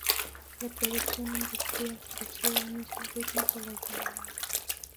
La producción industrial creció al mismo ritmo que la economía.